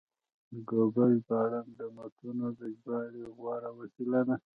ګوګل ژباړن د متنونو د ژباړې غوره وسیله ده.